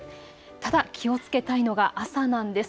ただ気をつけたいのが朝なんです。